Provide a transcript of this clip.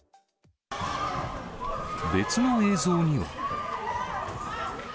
別の映像には。